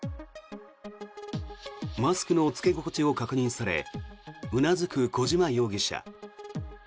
マスクの着け心地を確認されうなずく小島容疑者。